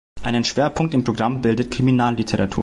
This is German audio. Einen Schwerpunkt im Programm bildet Kriminalliteratur.